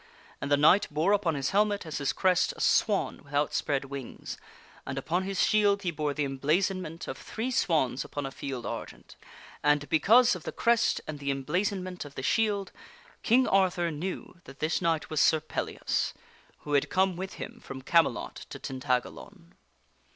And the knight bore upon his helmet as his crest a swan with outspread wings, and upon his shield he bore the emblazonment of three swans upon a field argent. And because of the crest and the emblazonment of the shield, King Arthur knew that this knight was Sir Pellias, who had come with him from Game lot to Tintagalon.